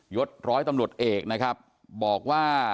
ยดร้อยตำรวจเอกบอกว่า